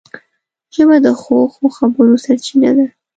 ژبه د ښو ښو خبرو سرچینه ده